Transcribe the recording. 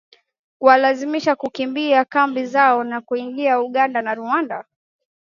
kuwalazimu kukimbia kambi zao na kuingia Uganda na Rwanda.